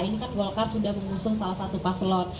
ini kan golkar sudah mengusung salah satu paslon